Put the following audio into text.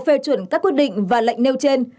phê chuẩn các quyết định và lệnh nêu trên